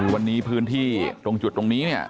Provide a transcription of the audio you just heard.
วันนี้พื้นที่ตรงจุดตรงนี้เนี่ย